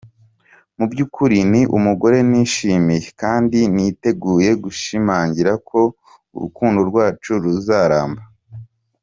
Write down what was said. Mu by’ukuri ni umugore nishimiye kandi niteguye gushimangira ko urukundo rwacu ruzaramba.